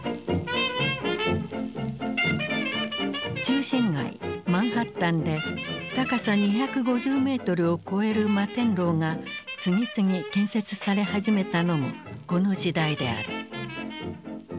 中心街マンハッタンで高さ２５０メートルを超える摩天楼が次々建設され始めたのもこの時代である。